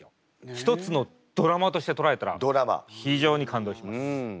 一つのドラマとして捉えたら非常に感動します。